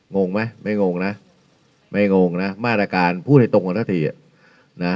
งงไหมไม่งงนะไม่งงนะมาตรการพูดให้ตรงกันสักทีอ่ะนะ